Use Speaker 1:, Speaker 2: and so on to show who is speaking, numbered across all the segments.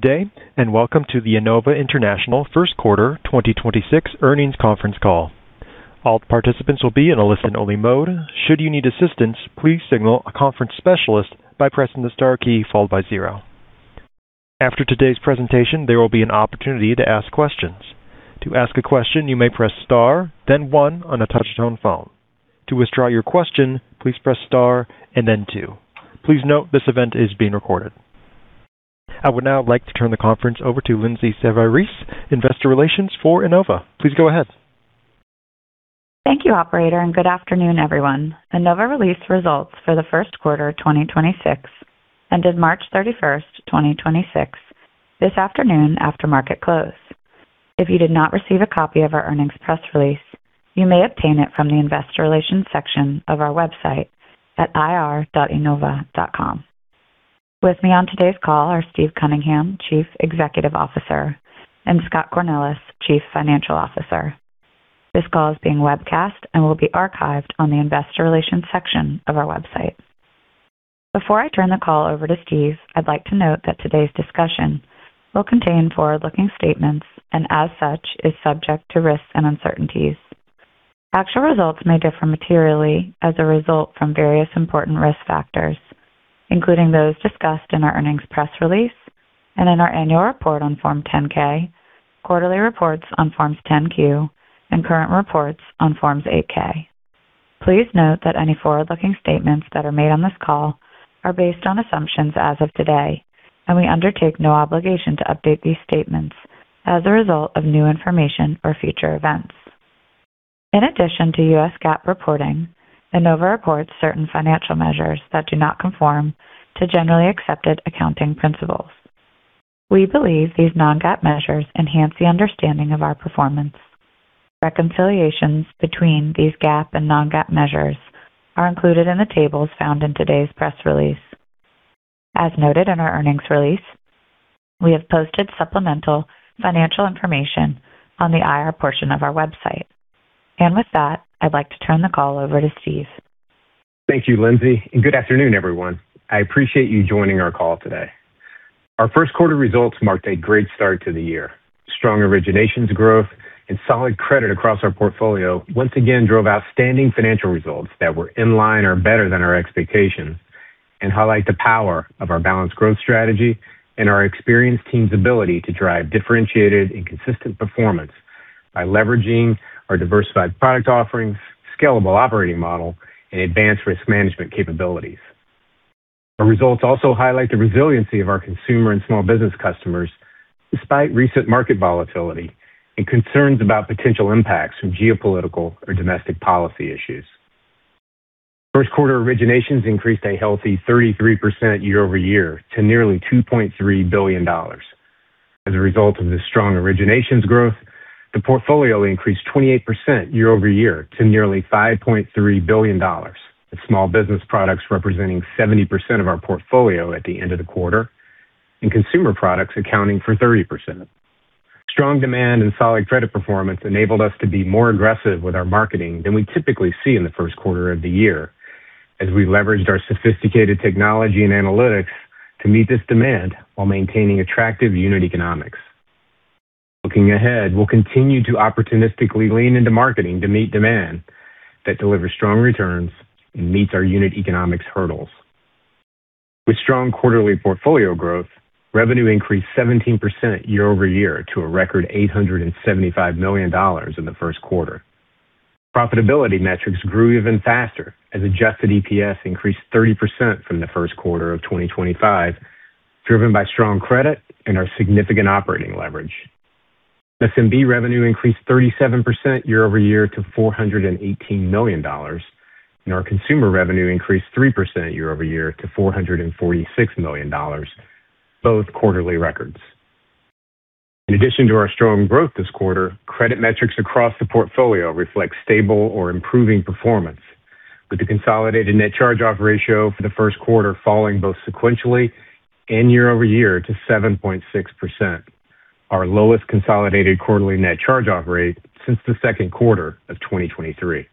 Speaker 1: Good day, and welcome to the Enova International First Quarter 2026 Earnings Conference Call. All participants will be in a listen-only mode. Should you need assistance, please signal a conference specialist by pressing the star key followed by zero. After today's presentation, there will be an opportunity to ask questions. To ask a question, you may press star, then one on a touch-tone phone. To withdraw your question, please press star and then two. Please note this event is being recorded. I would now like to turn the conference over to Lindsay Savarese, Investor Relations for Enova. Please go ahead.
Speaker 2: Thank you operator, and good afternoon, everyone. Enova released results for the first quarter 2026, ended March 31st, 2026, this afternoon after market close. If you did not receive a copy of our earnings press release, you may obtain it from the investor relations section of our website at ir.enova.com. With me on today's call are Steve Cunningham, Chief Executive Officer, and Scott Cornelis, Chief Financial Officer. This call is being webcast and will be archived on the investor relations section of our website. Before I turn the call over to Steve, I'd like to note that today's discussion will contain forward-looking statements and as such is subject to risks and uncertainties. Actual results may differ materially as a result from various important risk factors, including those discussed in our earnings press release and in our annual report on Form 10-K, quarterly reports on Forms 10-Q, and current reports on Forms 8-K. Please note that any forward-looking statements that are made on this call are based on assumptions as of today, and we undertake no obligation to update these statements as a result of new information or future events. In addition to U.S. GAAP reporting, Enova reports certain financial measures that do not conform to generally accepted accounting principles. We believe these non-GAAP measures enhance the understanding of our performance. Reconciliations between these GAAP and non-GAAP measures are included in the tables found in today's press release. As noted in our earnings release, we have posted supplemental financial information on the IR portion of our website. With that, I'd like to turn the call over to Steve.
Speaker 3: Thank you, Lindsay, and good afternoon, everyone. I appreciate you joining our call today. Our first quarter results marked a great start to the year. Strong originations growth and solid credit across our portfolio once again drove outstanding financial results that were in line or better than our expectations and highlight the power of our balanced growth strategy and our experienced team's ability to drive differentiated and consistent performance by leveraging our diversified product offerings, scalable operating model, and advanced risk management capabilities. Our results also highlight the resiliency of our consumer and small business customers despite recent market volatility and concerns about potential impacts from geopolitical or domestic policy issues. First quarter originations increased a healthy 33% year-over-year to nearly $2.3 billion. As a result of this strong originations growth, the portfolio increased 28% year-over-year to nearly $5.3 billion, with small business products representing 70% of our portfolio at the end of the quarter and consumer products accounting for 30%. Strong demand and solid credit performance enabled us to be more aggressive with our marketing than we typically see in the first quarter of the year as we leveraged our sophisticated technology and analytics to meet this demand while maintaining attractive unit economics. Looking ahead, we'll continue to opportunistically lean into marketing to meet demand that delivers strong returns and meets our unit economics hurdles. With strong quarterly portfolio growth, revenue increased 17% year-over-year to a record $875 million in the first quarter. Profitability metrics grew even faster as adjusted EPS increased 30% from the first quarter of 2025, driven by strong credit and our significant operating leverage. SMB revenue increased 37% year-over-year to $418 million, and our consumer revenue increased 3% year-over-year to $446 million, both quarterly records. In addition to our strong growth this quarter, credit metrics across the portfolio reflect stable or improving performance with the consolidated Net Charge-Off Ratio for the first quarter falling both sequentially and year-over-year to 7.6%, our lowest consolidated quarterly net charge-off rate since the second quarter of 2023.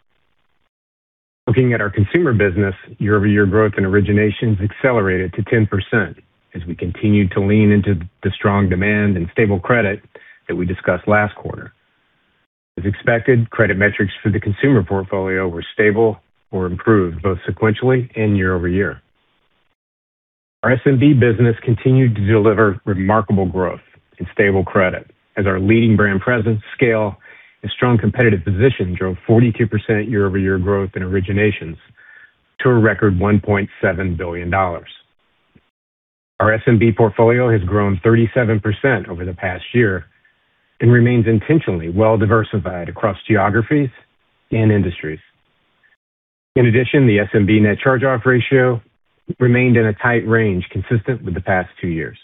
Speaker 3: Looking at our consumer business, year-over-year growth in originations accelerated to 10% as we continued to lean into the strong demand and stable credit that we discussed last quarter. As expected, credit metrics for the consumer portfolio were stable or improved both sequentially and year-over-year. Our SMB business continued to deliver remarkable growth and stable credit as our leading brand presence, scale, and strong competitive position drove 42% year-over-year growth in originations to a record $1.7 billion. Our SMB portfolio has grown 37% over the past year and remains intentionally well-diversified across geographies and industries. In addition, the SMB Net Charge-Off Ratio remained in a tight range consistent with the past two years.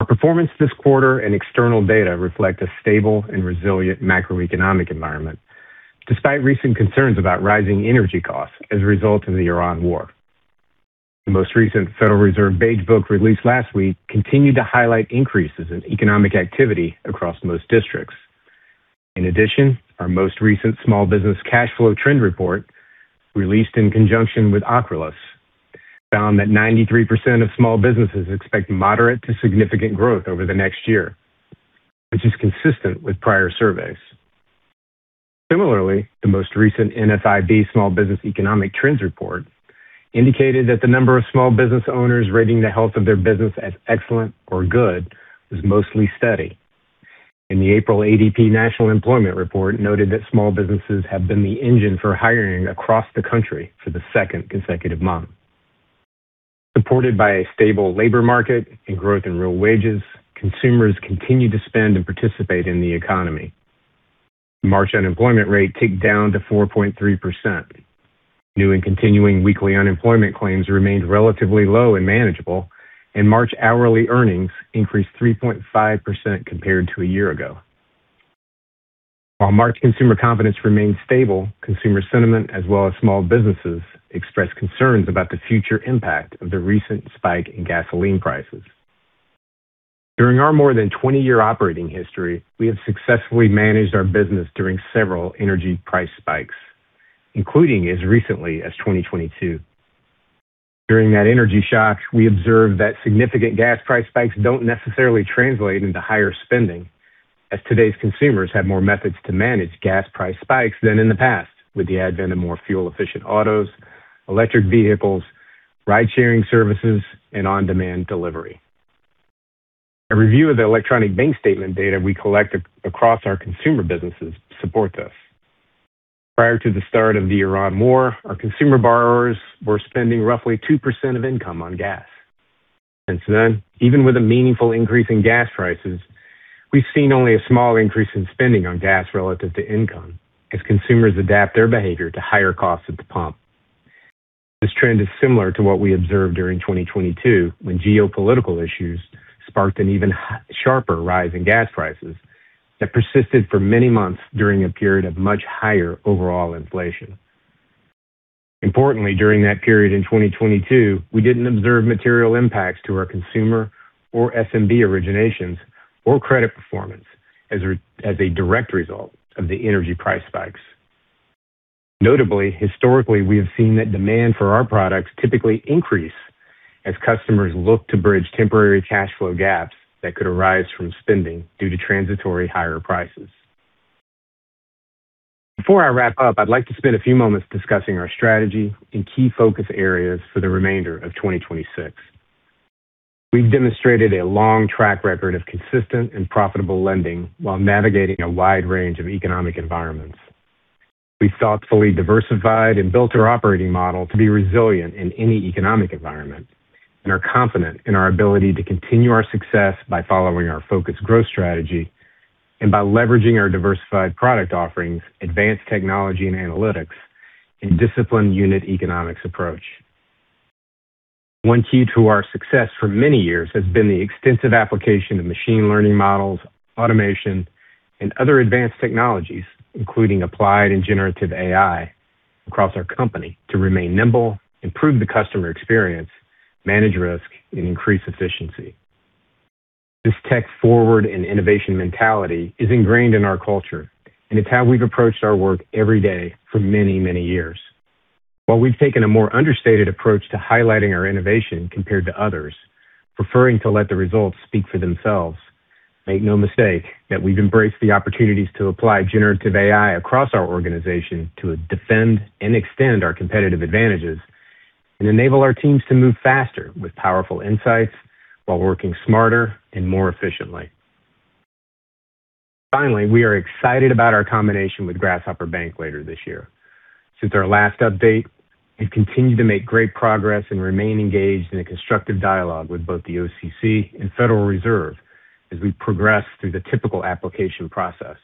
Speaker 3: Our performance this quarter and external data reflect a stable and resilient macroeconomic environment despite recent concerns about rising energy costs as a result of the Iran war. The most recent Federal Reserve Beige Book released last week continued to highlight increases in economic activity across most districts. In addition, our most recent small business cash flow trend report, released in conjunction with Ocrolus, found that 93% of small businesses expect moderate to significant growth over the next year, which is consistent with prior surveys. Similarly, the most recent NFIB Small Business Economic Trends report indicated that the number of small business owners rating the health of their business as excellent or good was mostly steady. The April ADP National Employment Report noted that small businesses have been the engine for hiring across the country for the second consecutive month. Supported by a stable labor market and growth in real wages, consumers continue to spend and participate in the economy. The March unemployment rate ticked down to 4.3%. New and continuing weekly unemployment claims remained relatively low and manageable, and March hourly earnings increased 3.5% compared to a year ago. While March consumer confidence remained stable, consumer sentiment as well as small businesses expressed concerns about the future impact of the recent spike in gasoline prices. During our more than 20-year operating history, we have successfully managed our business during several energy price spikes, including as recently as 2022. During that energy shock, we observed that significant gas price spikes don't necessarily translate into higher spending, as today's consumers have more methods to manage gas price spikes than in the past, with the advent of more fuel-efficient autos, electric vehicles, ride-sharing services, and on-demand delivery. A review of the electronic bank statement data we collect across our consumer businesses support this. Prior to the start of the Iran war, our consumer borrowers were spending roughly 2% of income on gas. Since then, even with a meaningful increase in gas prices, we've seen only a small increase in spending on gas relative to income as consumers adapt their behavior to higher costs at the pump. This trend is similar to what we observed during 2022 when geopolitical issues sparked an even sharper rise in gas prices that persisted for many months during a period of much higher overall inflation. Importantly, during that period in 2022, we didn't observe material impacts to our consumer or SMB originations or credit performance as a direct result of the energy price spikes. Notably, historically, we have seen that demand for our products typically increase as customers look to bridge temporary cash flow gaps that could arise from spending due to transitory higher prices. Before I wrap up, I'd like to spend a few moments discussing our strategy and key focus areas for the remainder of 2026. We've demonstrated a long track record of consistent and profitable lending while navigating a wide range of economic environments. We've thoughtfully diversified and built our operating model to be resilient in any economic environment and are confident in our ability to continue our success by following our focused growth strategy and by leveraging our diversified product offerings, advanced technology and analytics, and disciplined unit economics approach. One key to our success for many years has been the extensive application of machine learning models, automation, and other advanced technologies, including applied and generative AI across our company to remain nimble, improve the customer experience, manage risk, and increase efficiency. This tech-forward and innovation mentality is ingrained in our culture, and it's how we've approached our work every day for many, many years. While we've taken a more understated approach to highlighting our innovation compared to others, preferring to let the results speak for themselves, make no mistake that we've embraced the opportunities to apply Generative AI across our organization to defend and extend our competitive advantages and enable our teams to move faster with powerful insights while working smarter and more efficiently. Finally, we are excited about our combination with Grasshopper Bank later this year. Since our last update, we've continued to make great progress and remain engaged in a constructive dialogue with both the OCC and Federal Reserve as we progress through the typical application process.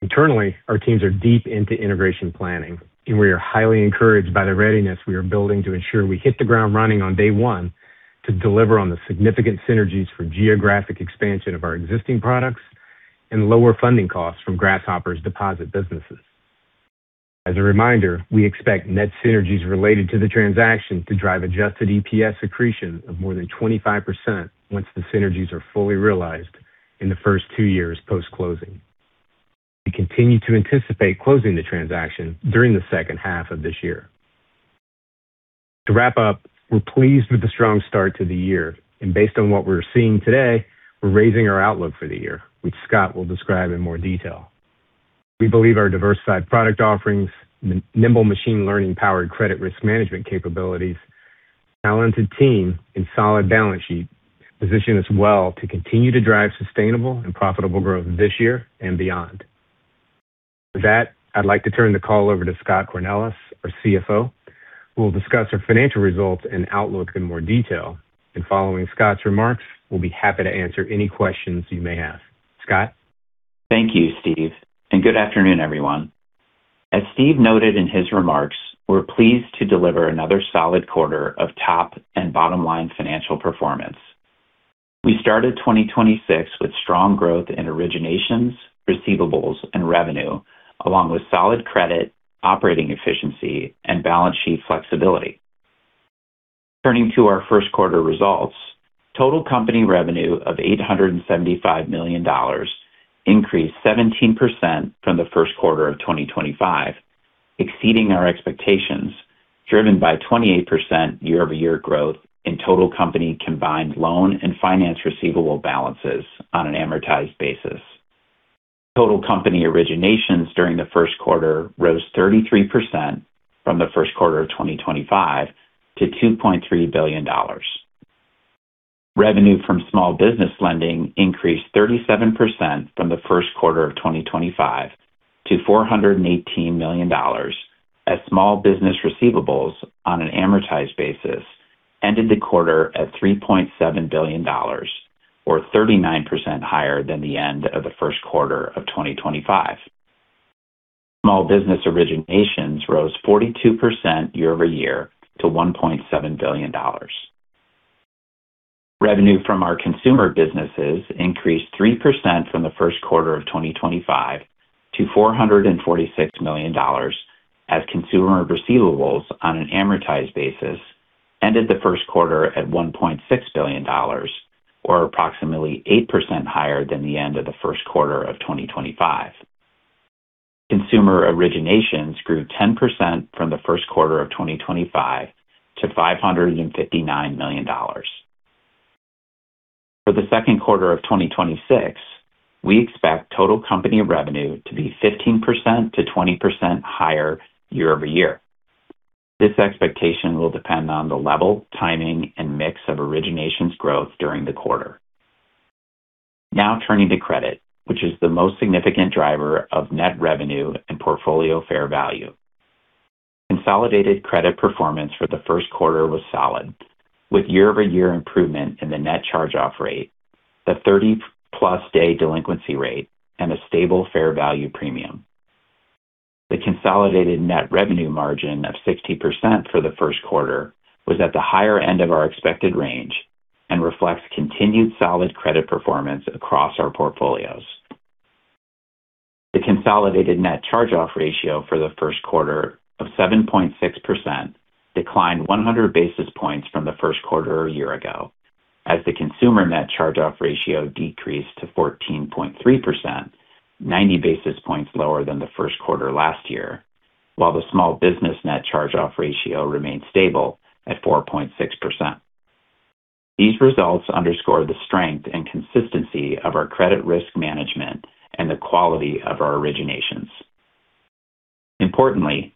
Speaker 3: Internally, our teams are deep into integration planning, and we are highly encouraged by the readiness we are building to ensure we hit the ground running on day one to deliver on the significant synergies for geographic expansion of our existing products and lower funding costs from Grasshopper's deposit businesses. As a reminder, we expect net synergies related to the transaction to drive Adjusted EPS accretion of more than 25% once the synergies are fully realized in the first two years post-closing. We continue to anticipate closing the transaction during the second half of this year. To wrap up, we're pleased with the strong start to the year, and based on what we're seeing today, we're raising our outlook for the year, which Scott will describe in more detail. We believe our diversified product offerings, nimble machine learning-powered credit risk management capabilities, talented team, and solid balance sheet position us well to continue to drive sustainable and profitable growth this year and beyond. With that, I'd like to turn the call over to Scott Cornelis, our CFO, who will discuss our financial results and outlook in more detail. Following Scott's remarks, we'll be happy to answer any questions you may have. Scott?
Speaker 4: Thank you, Steve, and good afternoon, everyone. As Steve noted in his remarks, we're pleased to deliver another solid quarter of top and bottom line financial performance. We started 2026 with strong growth in originations, receivables, and revenue, along with solid credit, operating efficiency, and balance sheet flexibility. Turning to our first quarter results, total company revenue of $875 million increased 17% from the first quarter of 2025, exceeding our expectations, driven by 28% year-over-year growth in total company combined loan and finance receivable balances on an amortized basis. Total company originations during the first quarter rose 33% from the first quarter of 2025 to $2.3 billion. Revenue from small business lending increased 37% from the first quarter of 2025 to $418 million as small business receivables on an amortized basis ended the quarter at $3.7 billion, or 39% higher than the end of the first quarter of 2025. Small business originations rose 42% year-over-year to $1.7 billion. Revenue from our consumer businesses increased 3% from the first quarter of 2025 to $446 million as consumer receivables on an amortized basis ended the first quarter at $1.6 billion, or approximately 8% higher than the end of the first quarter of 2025. Consumer originations grew 10% from the first quarter of 2025 to $559 million. For the second quarter of 2026, we expect total company revenue to be 15%-20% higher year-over-year. This expectation will depend on the level, timing, and mix of originations growth during the quarter. Now turning to credit, which is the most significant driver of net revenue and portfolio fair value. Consolidated credit performance for the first quarter was solid, with year-over-year improvement in the net charge-off rate, the 30-Plus Day Delinquency Rate, and a stable Fair Value Premium. The consolidated net revenue margin of 60% for the first quarter was at the higher end of our expected range and reflects continued solid credit performance across our portfolios. The consolidated net charge-off ratio for the first quarter of 7.6% declined 100 basis points from the first quarter a year ago as the consumer net charge-off ratio decreased to 14.3%, 90 basis points lower than the first quarter last year, while the small business net charge-off ratio remained stable at 4.6%. These results underscore the strength and consistency of our credit risk management and the quality of our originations. Importantly,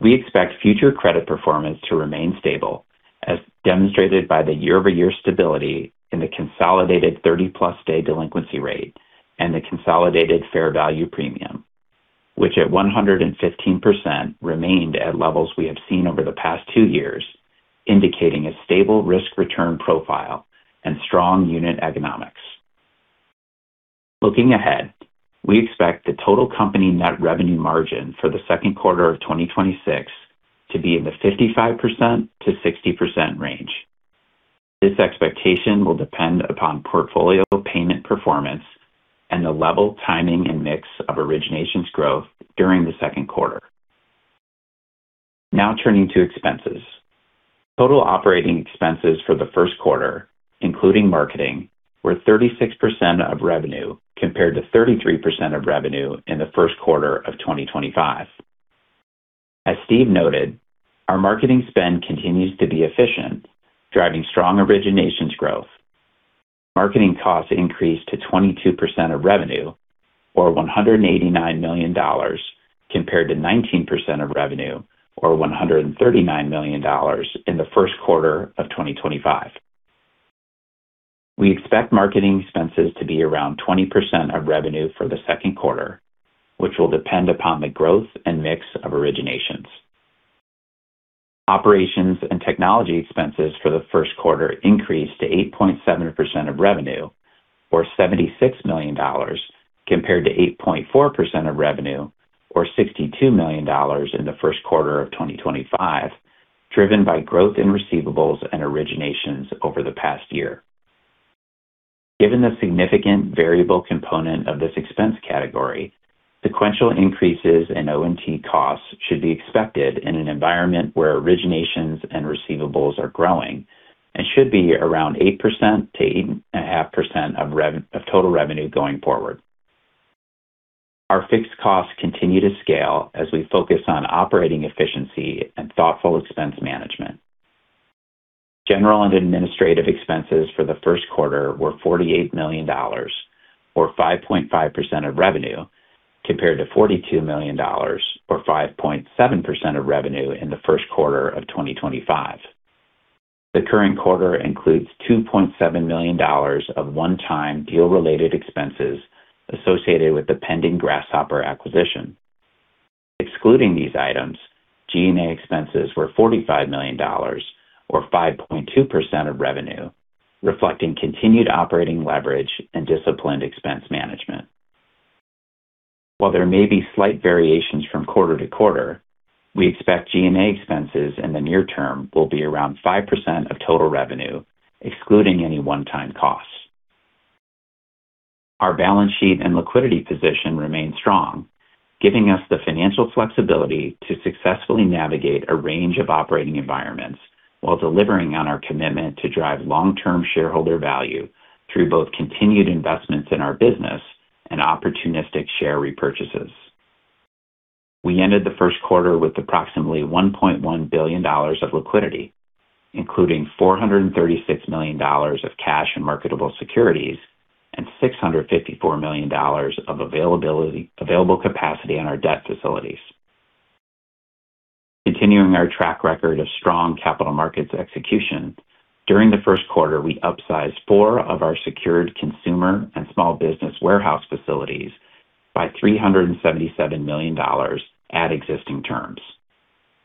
Speaker 4: we expect future credit performance to remain stable, as demonstrated by the year-over-year stability in the consolidated 30-plus day delinquency rate and the consolidated fair value premium, which at 115% remained at levels we have seen over the past two years, indicating a stable risk return profile and strong unit economics. Looking ahead, we expect the total company net revenue margin for the second quarter of 2026 to be in the 55%-60% range. This expectation will depend upon portfolio payment performance and the level, timing, and mix of originations growth during the second quarter. Now turning to expenses. Total operating expenses for the first quarter, including marketing, were 36% of revenue compared to 33% of revenue in the first quarter of 2025. As Steve noted, our marketing spend continues to be efficient, driving strong originations growth. Marketing costs increased to 22% of revenue or $189 million, compared to 19% of revenue or $139 million in the first quarter of 2025. We expect marketing expenses to be around 20% of revenue for the second quarter, which will depend upon the growth and mix of originations. Operations and technology expenses for the first quarter increased to 8.7% of revenue, or $76 million, compared to 8.4% of revenue or $62 million in the first quarter of 2025, driven by growth in receivables and originations over the past year. Given the significant variable component of this expense category, sequential increases in O&T costs should be expected in an environment where originations and receivables are growing and should be around 8%-8.5% of total revenue going forward. Our fixed costs continue to scale as we focus on operating efficiency and thoughtful expense management. General and administrative expenses for the first quarter were $48 million, or 5.5% of revenue, compared to $42 million or 5.7% of revenue in the first quarter of 2025. The current quarter includes $2.7 million of one-time deal related expenses associated with the pending Grasshopper acquisition. Excluding these items, G&A expenses were $45 million, or 5.2% of revenue, reflecting continued operating leverage and disciplined expense management. While there may be slight variations from quarter to quarter, we expect G&A expenses in the near term will be around 5% of total revenue, excluding any one-time costs. Our balance sheet and liquidity position remains strong, giving us the financial flexibility to successfully navigate a range of operating environments while delivering on our commitment to drive long-term shareholder value through both continued investments in our business and opportunistic share repurchases. We ended the first quarter with approximately $1.1 billion of liquidity, including $436 million of cash and marketable securities and $654 million of available capacity on our debt facilities. Continuing our track record of strong capital markets execution, during the first quarter, we upsized four of our secured consumer and small business warehouse facilities by $377 million at existing terms,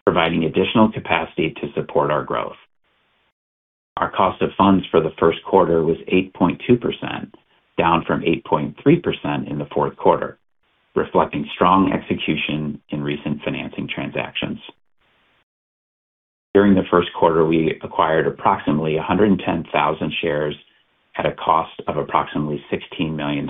Speaker 4: providing additional capacity to support our growth. Our cost of funds for the first quarter was 8.2%, down from 8.3% in the fourth quarter, reflecting strong execution in recent financing transactions. During the first quarter, we acquired approximately 110,000 shares at a cost of approximately $16 million.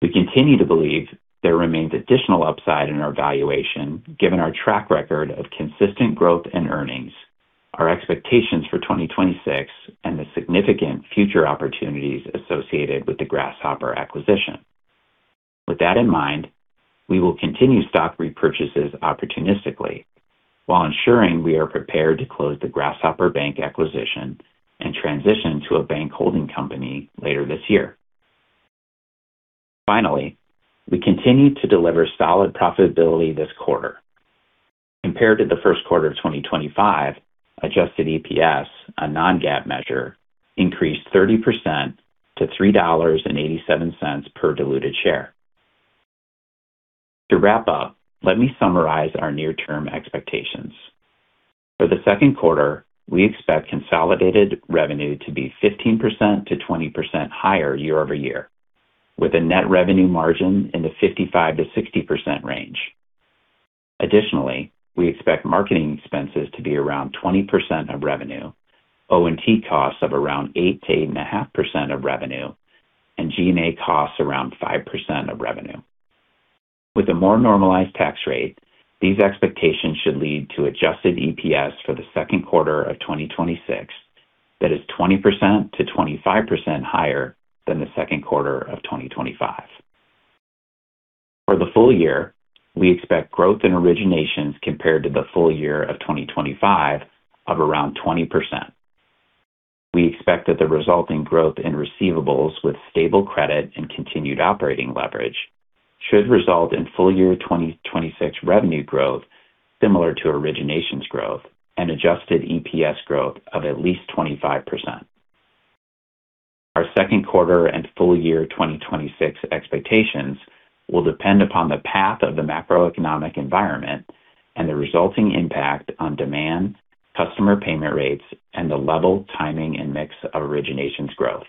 Speaker 4: We continue to believe there remains additional upside in our valuation, given our track record of consistent growth and earnings, our expectations for 2026, and the significant future opportunities associated with the Grasshopper acquisition. With that in mind, we will continue stock repurchases opportunistically while ensuring we are prepared to close the Grasshopper Bank acquisition and transition to a bank holding company later this year. Finally, we continue to deliver solid profitability this quarter. Compared to the first quarter of 2025, adjusted EPS, a non-GAAP measure, increased 30% to $3.87 per diluted share. To wrap up, let me summarize our near-term expectations. For the second quarter, we expect consolidated revenue to be 15%-20% higher year-over-year, with a net revenue margin in the 55%-60% range. Additionally, we expect marketing expenses to be around 20% of revenue, O&T costs of around 8%-8.5% of revenue, and G&A costs around 5% of revenue. With a more normalized tax rate, these expectations should lead to Adjusted EPS for the second quarter of 2026 that is 20%-25% higher than the second quarter of 2025. For the full year, we expect growth in originations compared to the full year of 2025 of around 20%. We expect that the resulting growth in receivables with stable credit and continued operating leverage should result in full year 2026 revenue growth similar to originations growth and Adjusted EPS growth of at least 25%. Our second quarter and full year 2026 expectations will depend upon the path of the macroeconomic environment and the resulting impact on demand, customer payment rates, and the level, timing, and mix of originations growth.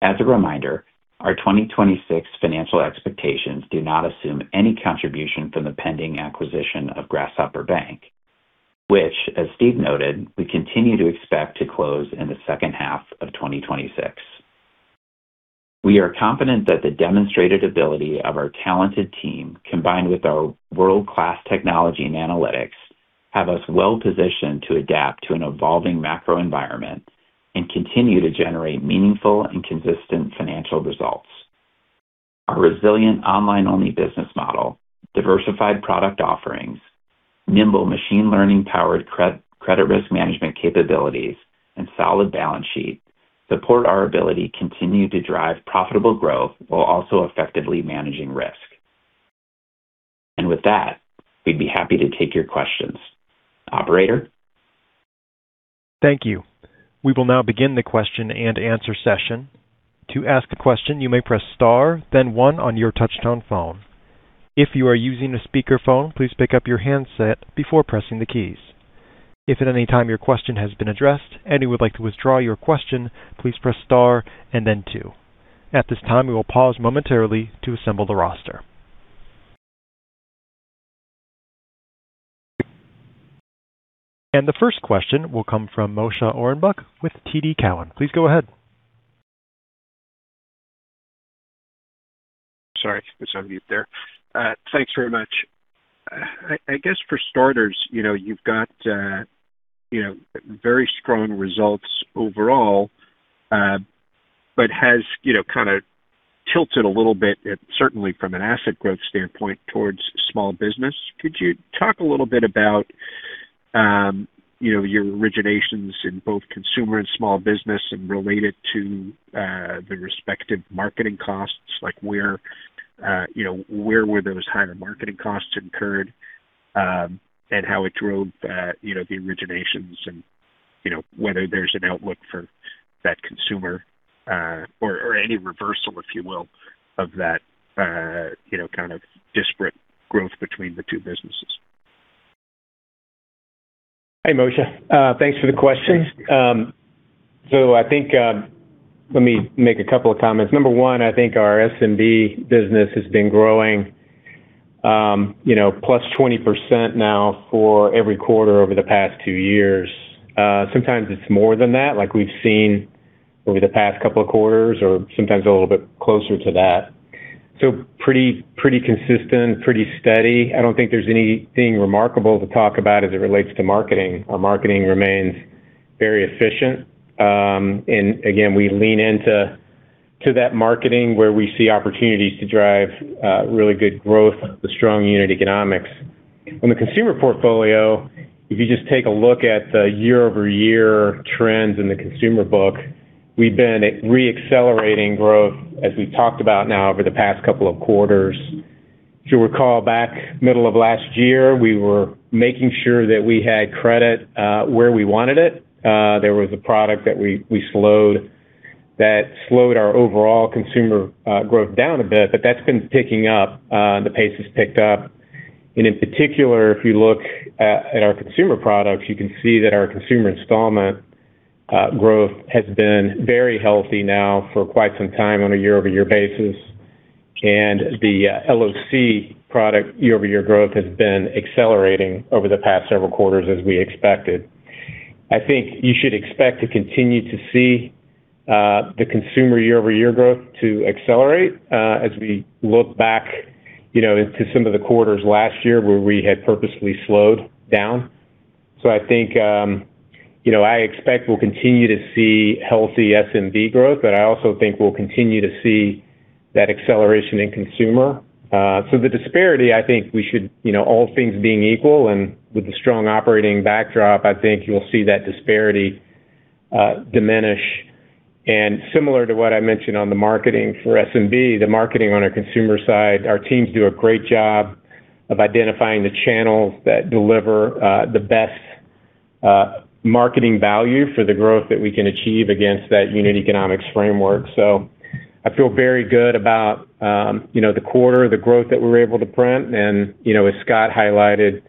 Speaker 4: As a reminder, our 2026 financial expectations do not assume any contribution from the pending acquisition of Grasshopper Bank, which, as Steve noted, we continue to expect to close in the second half of 2026. We are confident that the demonstrated ability of our talented team, combined with our world-class technology and analytics, have us well positioned to adapt to an evolving macro environment and continue to generate meaningful and consistent financial results. Our resilient online-only business model, diversified product offerings, nimble machine learning-powered credit risk management capabilities, and solid balance sheet support our ability to continue to drive profitable growth while also effectively managing risk. With that, we'd be happy to take your questions. Operator?
Speaker 1: Thank you. We will now begin the question and answer session. To ask a question, you may press star then one on your touchtone phone. If you are using a speakerphone, please pick up your handset before pressing the keys. If at any time your question has been addressed and you would like to withdraw your question, please press star and then two. At this time, we will pause momentarily to assemble the roster. The first question will come from Moshe Orenbuch with TD Cowen. Please go ahead.
Speaker 5: Sorry, I was on mute there. Thanks very much. I guess for starters, you've got very strong results overall. Has kind of tilted a little bit, certainly from an asset growth standpoint, towards small business. Could you talk a little bit about your originations in both consumer and small business and relate it to the respective marketing costs, like where were those higher marketing costs incurred, and how it drove the originations, and whether there's an outlook for that consumer or any reversal, if you will, of that kind of disparate growth between the two businesses?
Speaker 3: Hey, Moshe. Thanks for the question. I think, let me make a couple of comments. Number one, I think our SMB business has been growing +20% now for every quarter over the past two years. Sometimes it's more than that, like we've seen over the past couple of quarters, or sometimes a little bit closer to that. Pretty consistent, pretty steady. I don't think there's anything remarkable to talk about as it relates to marketing. Our marketing remains very efficient. Again, we lean into that marketing where we see opportunities to drive really good growth with strong unit economics. On the consumer portfolio, if you just take a look at the year-over-year trends in the consumer book, we've been re-accelerating growth as we've talked about now over the past couple of quarters. If you recall back middle of last year, we were making sure that we had credit where we wanted it. There was a product that slowed our overall consumer growth down a bit, but that's been picking up. The pace has picked up. In particular, if you look at our consumer products, you can see that our consumer installment growth has been very healthy now for quite some time on a year-over-year basis. The LOC product year-over-year growth has been accelerating over the past several quarters as we expected. I think you should expect to continue to see the consumer year-over-year growth to accelerate as we look back into some of the quarters last year where we had purposely slowed down. I expect we'll continue to see healthy SMB growth, but I also think we'll continue to see that acceleration in consumer. The disparity, I think we should, all things being equal and with a strong operating backdrop, I think you'll see that disparity diminish. Similar to what I mentioned on the marketing for SMB, the marketing on our consumer side, our teams do a great job of identifying the channels that deliver the best marketing value for the growth that we can achieve against that unit economics framework. I feel very good about the quarter, the growth that we were able to print, and as Scott highlighted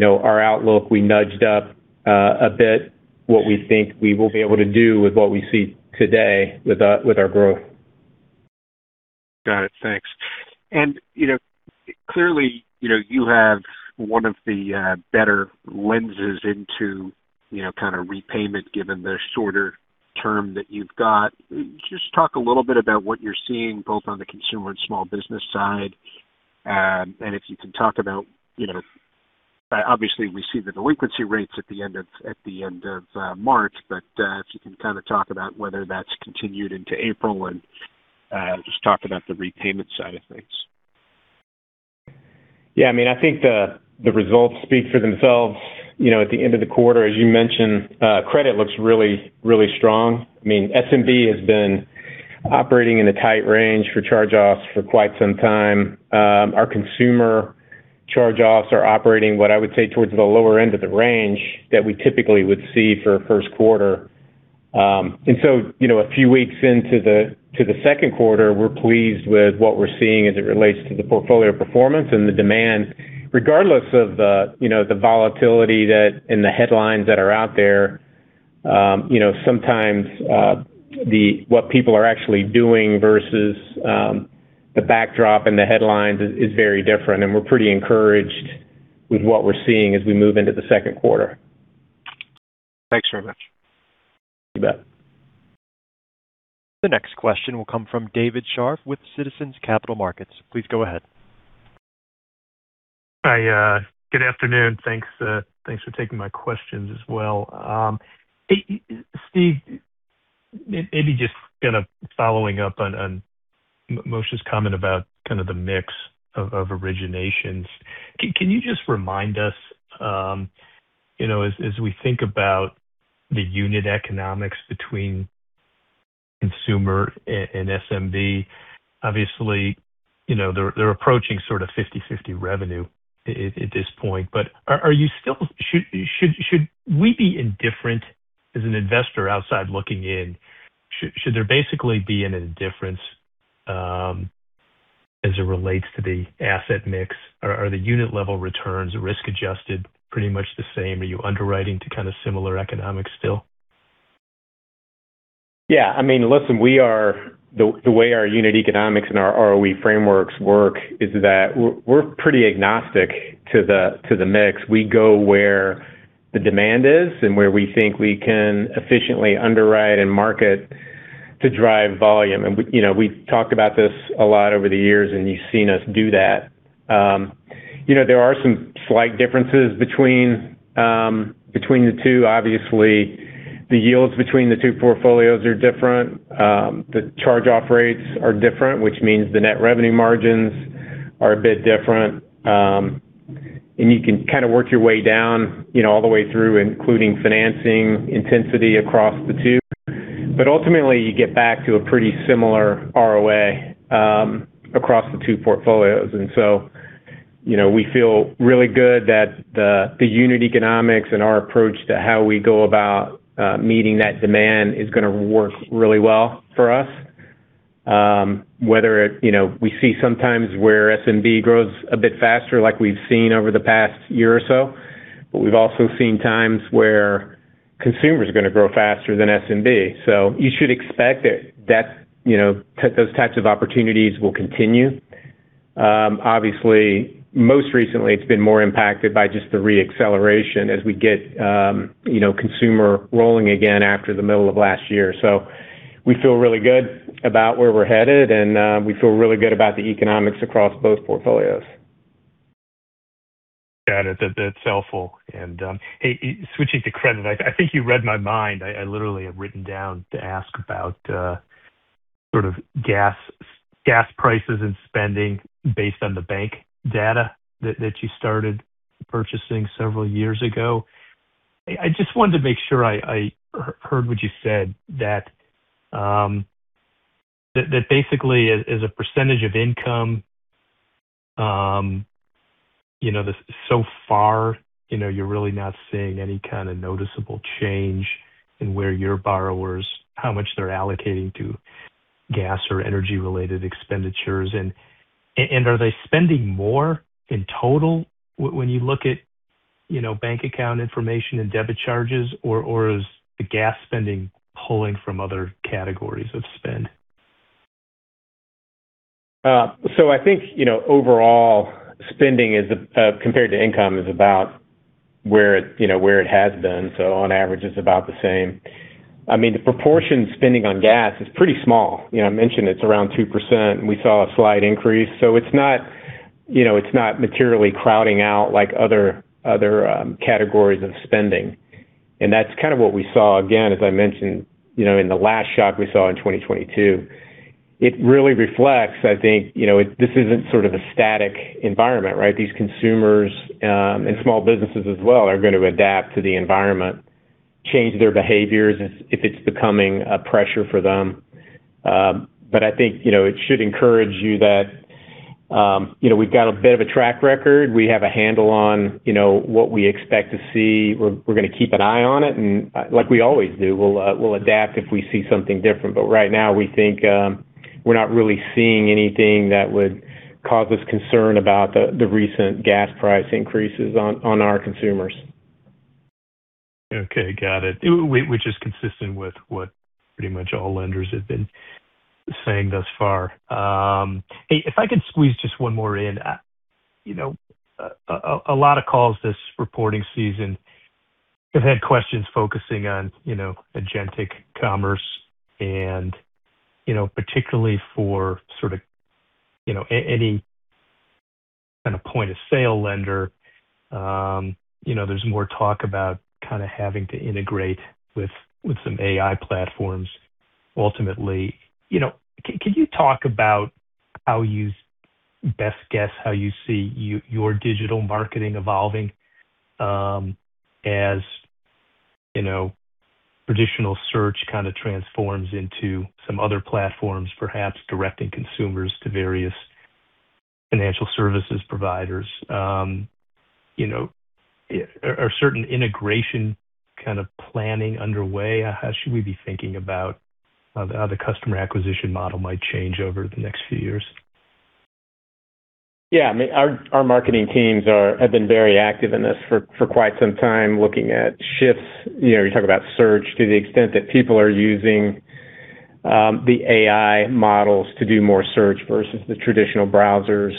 Speaker 3: our outlook, we nudged up a bit what we think we will be able to do with what we see today with our growth.
Speaker 5: Got it. Thanks. Clearly, you have one of the better lenses into kind of repayment given the shorter term that you've got. Just talk a little bit about what you're seeing both on the consumer and small business side, and if you can talk about, obviously we see the delinquency rates at the end of March. If you can kind of talk about whether that's continued into April and just talk about the repayment side of things.
Speaker 3: Yeah, I think the results speak for themselves. At the end of the quarter, as you mentioned, credit looks really strong. SMB has been operating in a tight range for charge-offs for quite some time. Our consumer charge-offs are operating what I would say towards the lower end of the range that we typically would see for a first quarter. A few weeks into the second quarter, we're pleased with what we're seeing as it relates to the portfolio performance and the demand. Regardless of the volatility that's in the headlines that are out there. Sometimes, what people are actually doing versus the backdrop and the headlines is very different. We're pretty encouraged with what we're seeing as we move into the second quarter.
Speaker 5: Thanks very much.
Speaker 3: You bet.
Speaker 1: The next question will come from David Scharf with Citizens JMP Securities. Please go ahead.
Speaker 6: Hi, good afternoon. Thanks for taking my questions as well. Steve, maybe just kind of following up on Moshe's comment about kind of the mix of originations. Can you just remind us as we think about the unit economics between consumer and SMB? Obviously, they're approaching sort of 50/50 revenue at this point. Should we be indifferent as an investor outside looking in? Should there basically be an indifference as it relates to the asset mix? Are the unit level returns risk-adjusted pretty much the same? Are you underwriting to kind of similar economics still?
Speaker 3: Yeah. Listen, the way our unit economics and our ROA frameworks work is that we're pretty agnostic to the mix. We go where the demand is and where we think we can efficiently underwrite and market to drive volume. We've talked about this a lot over the years, and you've seen us do that. There are some slight differences between the two. Obviously, the yields between the two portfolios are different. The charge-off rates are different, which means the net revenue margins are a bit different. You can kind of work your way down all the way through, including financing intensity across the two. Ultimately, you get back to a pretty similar ROA across the two portfolios. We feel really good that the unit economics and our approach to how we go about meeting that demand is going to work really well for us. We see sometimes where SMB grows a bit faster like we've seen over the past year or so. We've also seen times where consumers are going to grow faster than SMB. You should expect that those types of opportunities will continue. Obviously, most recently, it's been more impacted by just the re-acceleration as we get consumer rolling again after the middle of last year. We feel really good about where we're headed, and we feel really good about the economics across both portfolios.
Speaker 6: Got it. That's helpful. Hey, switching to credit, I think you read my mind. I literally have written down to ask about sort of gas prices and spending based on the bank data that you started purchasing several years ago. I just wanted to make sure I heard what you said, that basically, as a percentage of income, so far, you're really not seeing any kind of noticeable change in where your borrowers, how much they're allocating to gas or energy-related expenditures. Are they spending more in total when you look at bank account information and debit charges, or is the gas spending pulling from other categories of spend?
Speaker 3: I think, overall spending compared to income is about where it has been. On average, it's about the same. I mean, the proportion spending on gas is pretty small. I mentioned it's around 2%, and we saw a slight increase. It's not materially crowding out other categories of spending. That's kind of what we saw, again, as I mentioned, in the last shock we saw in 2022. It really reflects, I think, this isn't sort of a static environment, right? These consumers, and small businesses as well, are going to adapt to the environment, change their behaviors if it's becoming a pressure for them. I think it should encourage you that we've got a bit of a track record. We have a handle on what we expect to see. We're going to keep an eye on it, and like we always do, we'll adapt if we see something different. Right now, we think we're not really seeing anything that would cause us concern about the recent gas price increases on our consumers.
Speaker 6: Okay, got it. Which is consistent with what pretty much all lenders have been saying thus far. Hey, if I could squeeze just one more in. A lot of calls this reporting season have had questions focusing on agentic commerce and particularly for any kind of point-of-sale lender. There's more talk about having to integrate with some AI platforms ultimately. Can you talk about how you best guess how you see your digital marketing evolving as traditional search kind of transforms into some other platforms, perhaps directing consumers to various financial services providers? Are certain integration kind of planning underway? How should we be thinking about how the customer acquisition model might change over the next few years?
Speaker 3: Yeah. I mean, our marketing teams have been very active in this for quite some time, looking at shifts. You talk about search to the extent that people are using the AI models to do more search versus the traditional browsers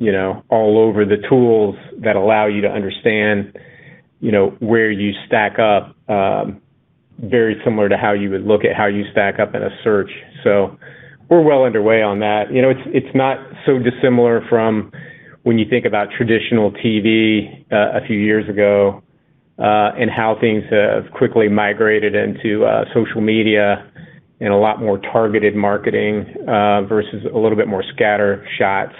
Speaker 3: and other tools that allow you to understand where you stack up very similar to how you would look at how you stack up in a search. We're well underway on that. It's not so dissimilar from when you think about traditional TV a few years ago, and how things have quickly migrated into social media and a lot more targeted marketing versus a little bit more scattershot.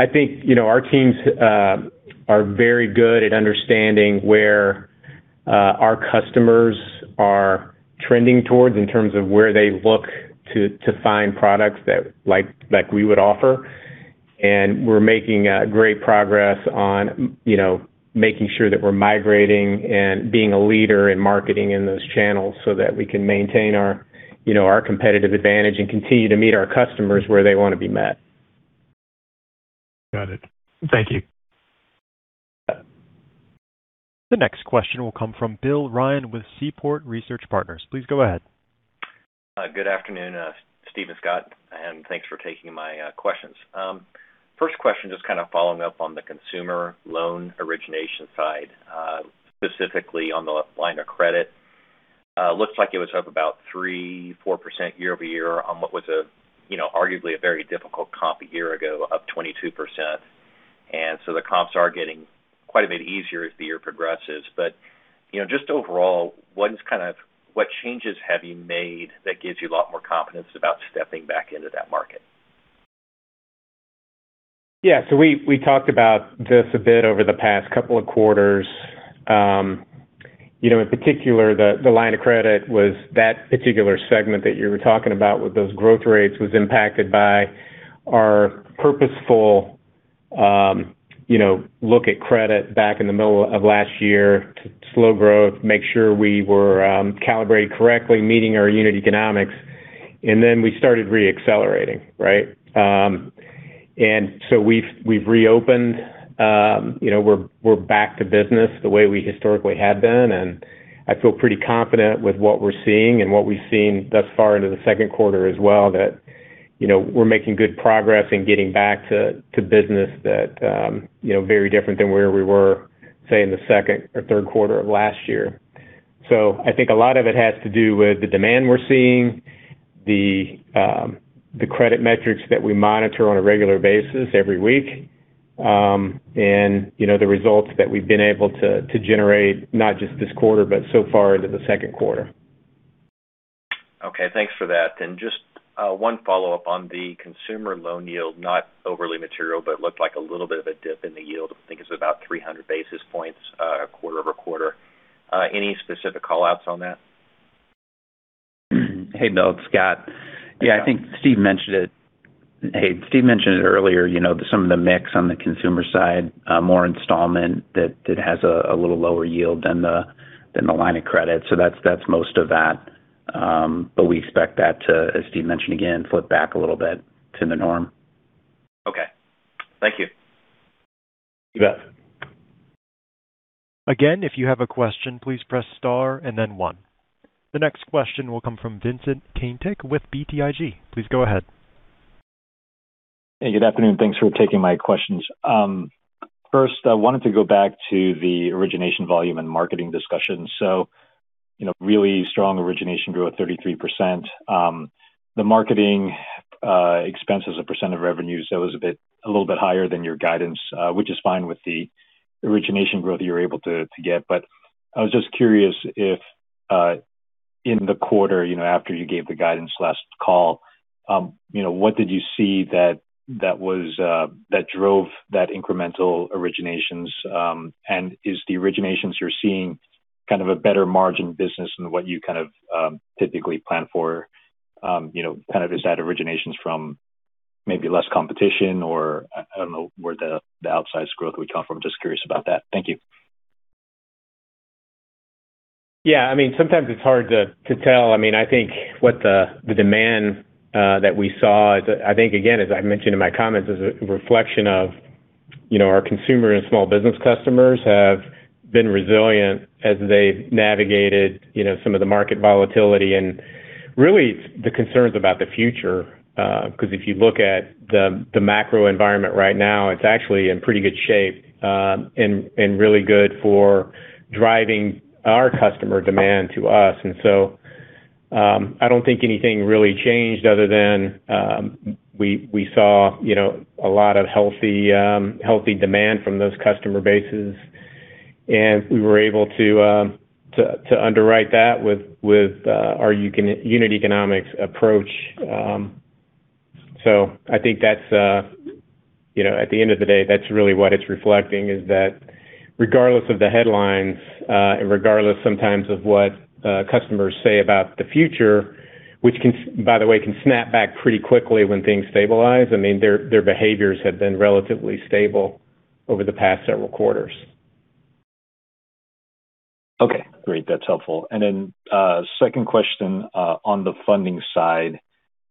Speaker 3: I think our teams are very good at understanding where our customers are trending towards in terms of where they look to find products like we would offer. We're making great progress on making sure that we're migrating and being a leader in marketing in those channels so that we can maintain our competitive advantage and continue to meet our customers where they want to be met.
Speaker 6: Got it. Thank you.
Speaker 1: The next question will come from Bill Ryan with Seaport Research Partners. Please go ahead.
Speaker 7: Good afternoon, Steve and Scott, and thanks for taking my questions. First question, just kind of following up on the consumer loan origination side, specifically on the line of credit. Looks like it was up about 3%-4% year-over-year on what was arguably a very difficult comp a year ago of 22%. The comps are getting quite a bit easier as the year progresses. Just overall, what changes have you made that gives you a lot more confidence about stepping back into that market?
Speaker 3: Yeah. We talked about this a bit over the past couple of quarters. In particular, the line of credit was that particular segment that you were talking about with those growth rates was impacted by our purposeful look at credit back in the middle of last year to slow growth, make sure we were calibrated correctly, meeting our unit economics. Then we started re-accelerating. We've reopened. We're back to business the way we historically had been, and I feel pretty confident with what we're seeing and what we've seen thus far into the second quarter as well, that we're making good progress in getting back to business that very different than where we were, say, in the second or third quarter of last year. I think a lot of it has to do with the demand we're seeing, the credit metrics that we monitor on a regular basis every week, and the results that we've been able to generate, not just this quarter, but so far into the second quarter.
Speaker 7: Okay. Thanks for that. Just one follow-up on the consumer loan yield. Not overly material, but looked like a little bit of a dip in the yield. I think it's about 300 basis points, quarter-over-quarter. Any specific call-outs on that?
Speaker 4: Hey, no, it's Scott. Yeah, I think Steve mentioned it. Hey, Steve mentioned it earlier, some of the mix on the consumer side, more installment that has a little lower yield than the line of credit. That's most of that. We expect that to, as Steve mentioned again, flip back a little bit to the norm.
Speaker 7: Okay. Thank you.
Speaker 4: You bet.
Speaker 1: Again, if you have a question, please press star and then one. The next question will come from Vincent Caintic with BTIG. Please go ahead.
Speaker 8: Hey, good afternoon. Thanks for taking my questions. First, I wanted to go back to the origination volume and marketing discussion. Really strong origination growth, 33%. The marketing expense as a percent of revenues, that was a little bit higher than your guidance, which is fine with the origination growth you're able to get. I was just curious if, in the quarter, after you gave the guidance last call, what did you see that drove that incremental originations? And is the originations you're seeing kind of a better margin business than what you kind of typically plan for? Kind of is that originations from maybe less competition or, I don't know, where the outsized growth would come from? Just curious about that. Thank you.
Speaker 3: Yeah, sometimes it's hard to tell. I think what the demand that we saw is, I think, again, as I mentioned in my comments, is a reflection of our consumer and small business customers have been resilient as they've navigated some of the market volatility and really the concerns about the future. Because if you look at the macro environment right now, it's actually in pretty good shape and really good for driving our customer demand to us. I don't think anything really changed other than we saw a lot of healthy demand from those customer bases, and we were able to underwrite that with our unit economics approach. I think at the end of the day, that's really what it's reflecting is that regardless of the headlines, regardless sometimes of what customers say about the future, which by the way, can snap back pretty quickly when things stabilize. Their behaviors have been relatively stable over the past several quarters.
Speaker 8: Okay, great. That's helpful. Second question on the funding side.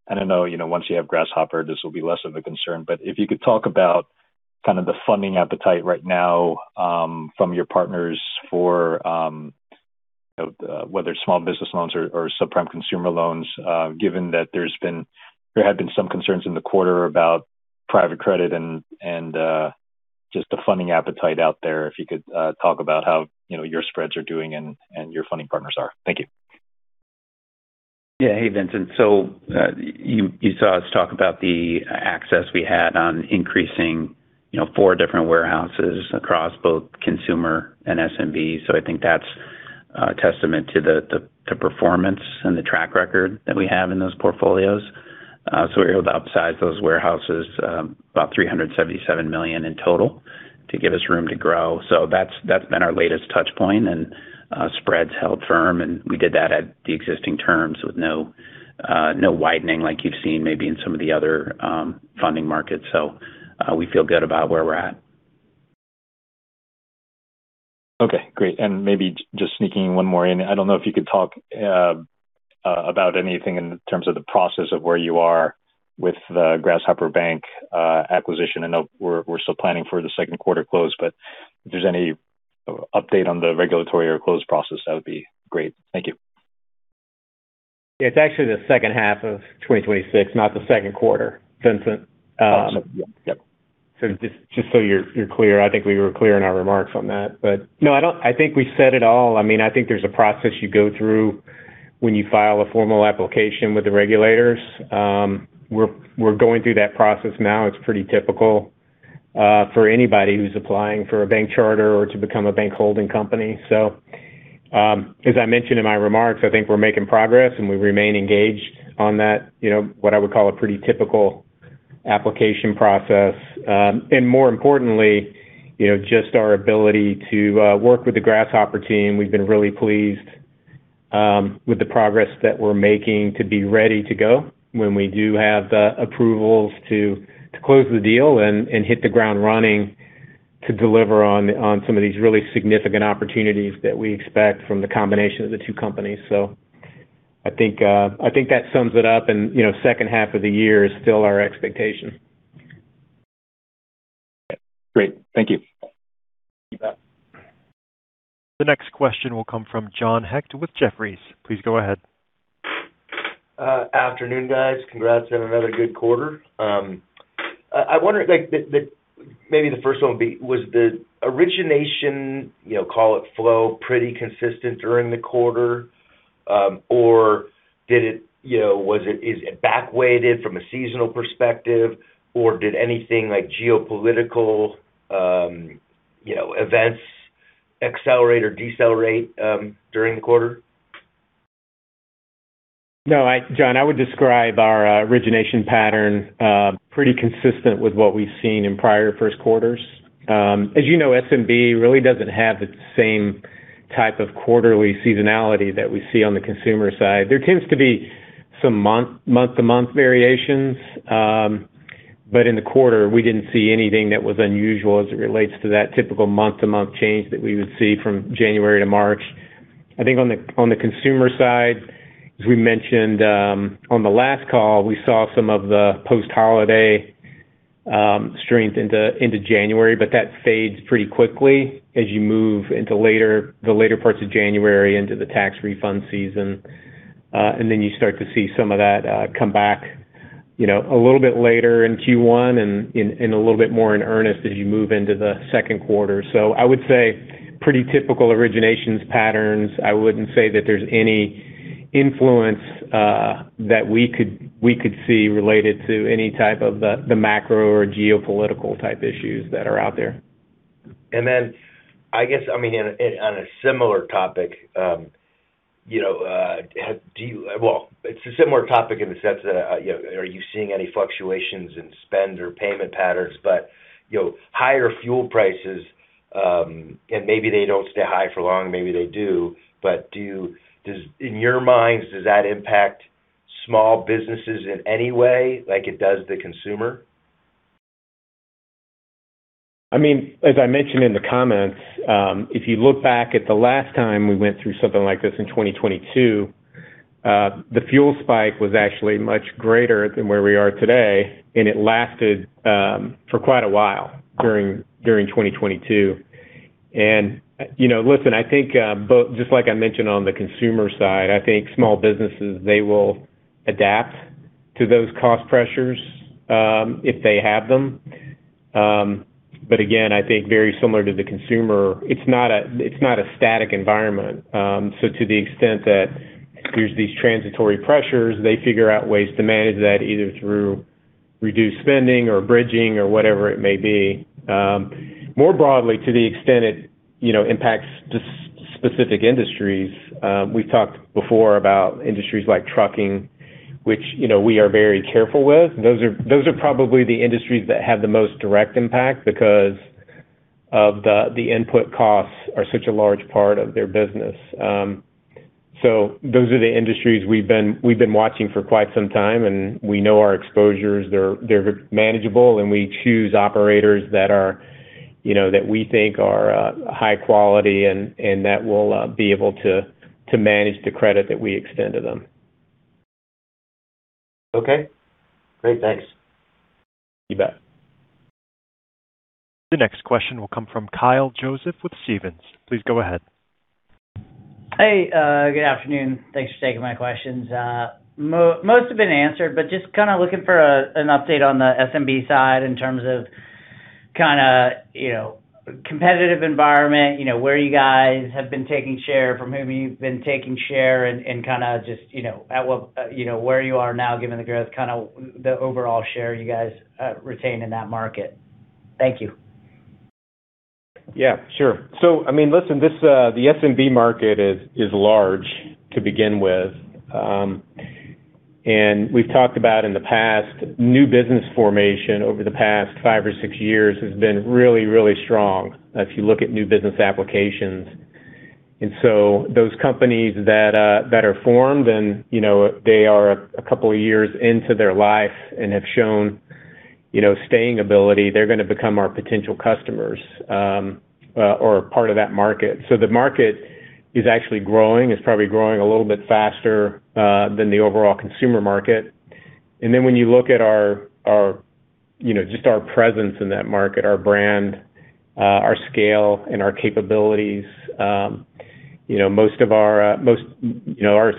Speaker 8: I know, once you have Grasshopper, this will be less of a concern, if you could talk about kind of the funding appetite right now from your partners for whether small business loans or subprime consumer loans. Given that there have been some concerns in the quarter about private credit and just the funding appetite out there. If you could talk about how your spreads are doing and your funding partners are. Thank you.
Speaker 4: Yeah. Hey, Vincent. You saw us talk about the access we had on increasing four different warehouses across both consumer and SMB. I think that's a testament to the performance and the track record that we have in those portfolios. We were able to upsize those warehouses about $377 million in total to give us room to grow. That's been our latest touch point, and spreads held firm, and we did that at the existing terms with no widening like you've seen maybe in some of the other funding markets. We feel good about where we're at.
Speaker 8: Okay, great. Maybe just sneaking one more in. I don't know if you could talk about anything in terms of the process of where you are with the Grasshopper Bank acquisition. I know we're still planning for the second quarter close, but if there's any update on the regulatory or close process, that would be great. Thank you.
Speaker 4: It's actually the second half of 2026, not the second quarter, Vincent.
Speaker 8: Got you. Yep.
Speaker 4: Just so you're clear. I think we were clear in our remarks on that.
Speaker 3: No, I think we said it all. I think there's a process you go through when you file a formal application with the regulators. We're going through that process now. It's pretty typical for anybody who's applying for a bank charter or to become a bank holding company. As I mentioned in my remarks, I think we're making progress, and we remain engaged on that. What I would call a pretty typical application process. More importantly, just our ability to work with the Grasshopper team. We've been really pleased with the progress that we're making to be ready to go when we do have the approvals to close the deal and hit the ground running to deliver on some of these really significant opportunities that we expect from the combination of the two companies. I think that sums it up, and second half of the year is still our expectation.
Speaker 8: Great. Thank you.
Speaker 3: You bet.
Speaker 1: The next question will come from John Hecht with Jefferies. Please go ahead.
Speaker 9: Afternoon, guys. Congrats on another good quarter. I wonder, was the origination, call it flow, pretty consistent during the quarter? Or is it back weighted from a seasonal perspective? Or did anything like geopolitical events accelerate or decelerate during the quarter?
Speaker 3: No, John, I would describe our origination pattern pretty consistent with what we've seen in prior first quarters. As you know, SMB really doesn't have the same type of quarterly seasonality that we see on the consumer side. There tends to be some month-to-month variations. In the quarter, we didn't see anything that was unusual as it relates to that typical month-to-month change that we would see from January to March. I think on the consumer side, as we mentioned on the last call, we saw some of the post-holiday strength into January. That fades pretty quickly as you move into the later parts of January into the tax refund season. You start to see some of that come back a little bit later in Q1 and a little bit more in earnest as you move into the second quarter. I would say pretty typical originations patterns. I wouldn't say that there's any influence that we could see related to any type of the macro or geopolitical type issues that are out there.
Speaker 9: I guess, on a similar topic, it's a similar topic in the sense that are you seeing any fluctuations in spend or payment patterns? Higher fuel prices, and maybe they don't stay high for long, maybe they do, but in your minds, does that impact small businesses in any way, like it does the consumer?
Speaker 3: As I mentioned in the comments, if you look back at the last time we went through something like this in 2022, the fuel spike was actually much greater than where we are today, and it lasted for quite a while during 2022. Listen, just like I mentioned on the consumer side, I think small businesses, they will adapt to those cost pressures if they have them. Again, I think very similar to the consumer, it's not a static environment. To the extent that there's these transitory pressures, they figure out ways to manage that, either through reduced spending or bridging or whatever it may be. More broadly to the extent it impacts the specific industries, we've talked before about industries like trucking, which we are very careful with. Those are probably the industries that have the most direct impact because of the input costs are such a large part of their business. Those are the industries we've been watching for quite some time, and we know our exposures. They're manageable, and we choose operators that we think are high quality, and that will be able to manage the credit that we extend to them.
Speaker 9: Okay. Great. Thanks.
Speaker 3: You bet.
Speaker 1: The next question will come from Kyle Joseph with Stephens. Please go ahead.
Speaker 10: Hey, good afternoon. Thanks for taking my questions. Most have been answered, but just kind of looking for an update on the SMB side in terms of competitive environment, where you guys have been taking share, from whom you've been taking share, and just where you are now given the growth, kind of the overall share you guys retain in that market. Thank you.
Speaker 3: Yeah, sure. Listen, the SMB market is large to begin with. We've talked about in the past, new business formation over the past five or six years has been really, really strong, if you look at new business applications. Those companies that are formed and they are a couple of years into their life and have shown staying ability, they're going to become our potential customers or a part of that market. The market is actually growing. It's probably growing a little bit faster than the overall consumer market. When you look at just our presence in that market, our brand, our scale, and our capabilities, our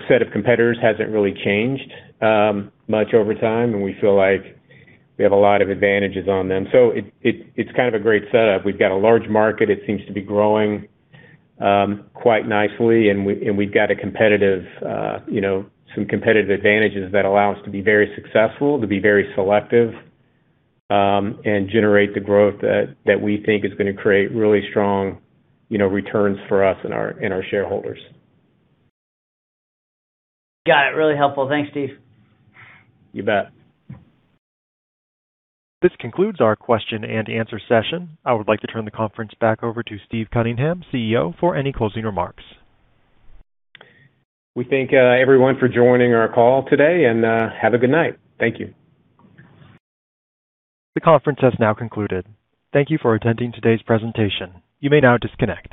Speaker 3: set of competitors hasn't really changed much over time, and we feel like we have a lot of advantages on them. It's kind of a great setup. We've got a large market. It seems to be growing quite nicely, and we've got some competitive advantages that allow us to be very successful, to be very selective, and generate the growth that we think is going to create really strong returns for us and our shareholders.
Speaker 10: Got it. Really helpful. Thanks, Steve.
Speaker 3: You bet.
Speaker 1: This concludes our question and answer session. I would like to turn the conference back over to Steve Cunningham, CEO, for any closing remarks.
Speaker 3: We thank everyone for joining our call today, and have a good night. Thank you.
Speaker 1: The conference has now concluded. Thank you for attending today's presentation. You may now disconnect.